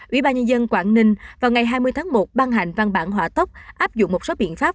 ủy ban nhân dân quảng ninh vào ngày hai mươi tháng một ban hành văn bản hỏa tốc áp dụng một số biện pháp